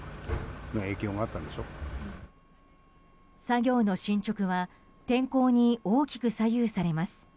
作業の進捗は天候に大きく左右されます。